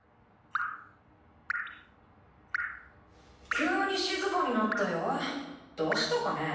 急に静かになったよどうしたかね？